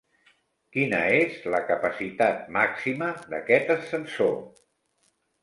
Quina és la capacitat màxima d'aquest ascensor?